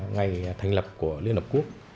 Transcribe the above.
ngày thành lập của liên hợp quốc